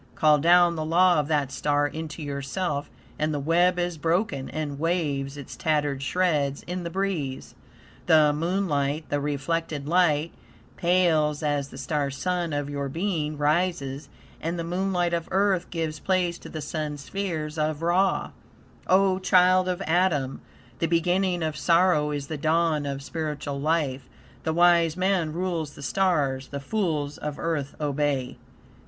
Call down the law of that star into yourself, and the web is broken and waves its tattered shreds in the breeze. The moonlight, the reflected light, pales as the Star Sun of your being rises, and the moonlight of Earth gives place to the Sun spheres of Ra. O child of Adam! The beginning of sorrow is the dawn of spiritual life. The wise man rules the stars; the fools of Earth obey.